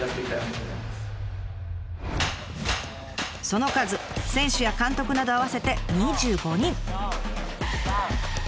その数選手や監督など合わせて２５人。